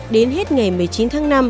đến hết ngày một mươi chín tháng năm